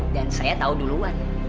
dan saya tahu duluan